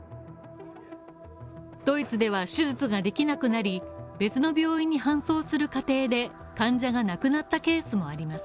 ドイツでは手術ができなくなり、別の病院に搬送する過程で、患者が亡くなったケースもあります。